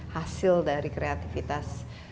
hasil dari kreativitas